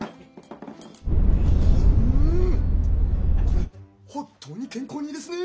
これ本当に健康にいいですね！